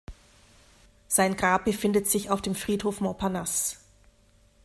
Sein Grab befindet sich auf dem Friedhof Montparnasse.